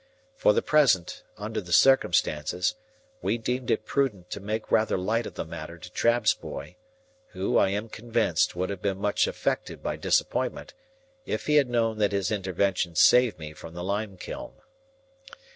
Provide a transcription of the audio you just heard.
For the present, under the circumstances, we deemed it prudent to make rather light of the matter to Trabb's boy; who, I am convinced, would have been much affected by disappointment, if he had known that his intervention saved me from the limekiln.